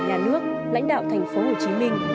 nhà nước lãnh đạo tp hcm